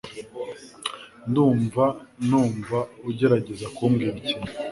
Ndumva numva ugerageza kumbwira ikintu.